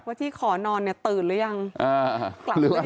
ว่าที่ขอนอนนี่ตื่นรึยัง